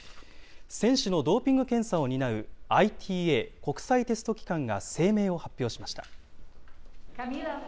選手のドーピング検査を担う、ＩＴＡ・国際テスト機関が声明を発表しました。